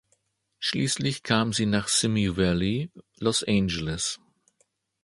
Schließlich kam sie nach Simi Valley, Los Angeles.